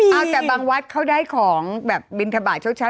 เอาแต่บางวัดเขาได้ของแบบบินทบาทเช้า